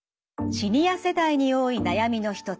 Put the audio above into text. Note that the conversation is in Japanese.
シニア世代に多い悩みの一つ